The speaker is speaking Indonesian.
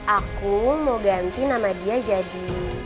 aku mau ganti nama dia jadi